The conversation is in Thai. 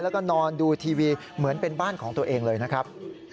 แล้วก็นอนดูทีวีเหมือนเป็นบ้านของตัวเองเลยนะครับ